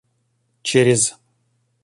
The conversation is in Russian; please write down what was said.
через